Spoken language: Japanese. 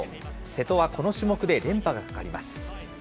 瀬戸はこの種目で連覇がかかります。